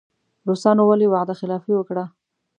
روسانو ولې وعده خلافي وکړه.